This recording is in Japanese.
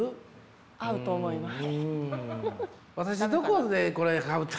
合うと思います。